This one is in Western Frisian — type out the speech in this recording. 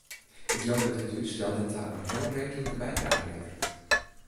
Ik leau dat dit útstel dêrta in heel reedlike bydrage leveret.